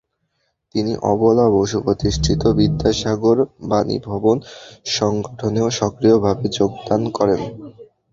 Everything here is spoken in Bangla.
তিনি অবলা বসু প্রতিষ্ঠিত 'বিদ্যাসাগর বানীভবন''' সংগঠনেও সক্রিয়ভাবে যোগদান করেন।